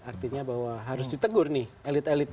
artinya bahwa harus ditegur nih elit elit